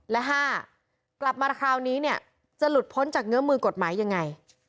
และ๕กลับมาคราวนี้เนี่ยจะหลุดพ้นจากเงื้อมือกฎหมายยังไง